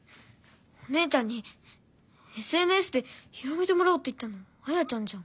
お姉ちゃんにＳＮＳで広めてもらおうって言ったのあやちゃんじゃん。